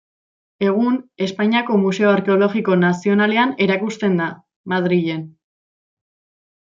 Egun Espainiako Museo Arkeologiko Nazionalean erakusten da, Madrilen.